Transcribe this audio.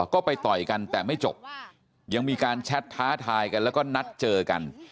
ก็ไปต่อยกันแต่ไม่จบยังมีการแชทท้าทายกันแล้วก็นัดเจอกัน